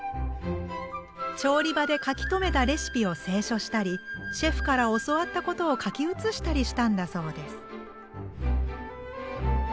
調理場で書き留めたレシピを清書したりシェフから教わったことを書き写したりしたんだそうです。